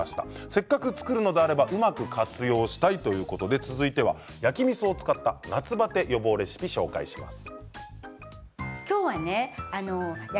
せっかく作るのであればうまく活用したいということで焼きみそを使った夏バテ予防レシピを紹介します。